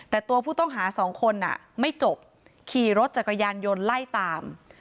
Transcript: แต่ตัวผู้ต้องหาสองคนไม่จบขี่รถจักรยานยนต์ไล่ตาม